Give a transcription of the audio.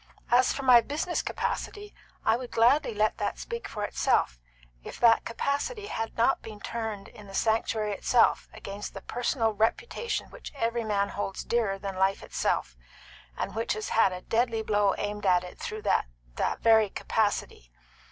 As for my business capacity, I would gladly let that speak for itself, if that capacity had not been turned in the sanctuary itself against the personal reputation which every man holds dearer than life itself, and which has had a deadly blow aimed at it through that that very capacity.